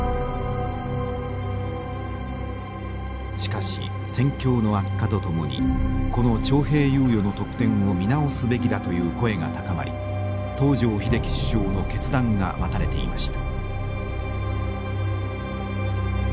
しかし戦況の悪化とともにこの徴兵猶予の特典を見直すべきだという声が高まり東條英機首相の決断が待たれていました。